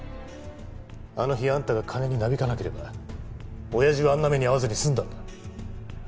あの日あんたが金になびかなければ親父はあんな目に遭わずに済んだんだ。